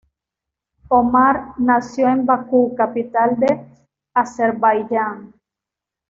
Ömər nació en Bakú, capital de Azerbaiyán.